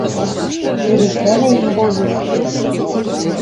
«Келесӓлӓй, млоец, тӹнь: